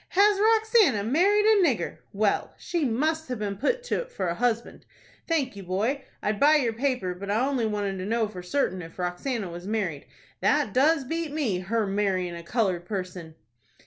"Has Roxanna married a nigger? Well, she must have been put to't for a husband. Thank you, boy. I'd buy your paper, but I only wanted to know for certain if Roxanna was married. That does beat me,—her marryin' a colored person!"